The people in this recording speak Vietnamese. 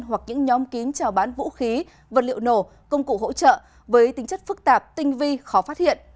hoặc những nhóm kín trào bán vũ khí vật liệu nổ công cụ hỗ trợ với tính chất phức tạp tinh vi khó phát hiện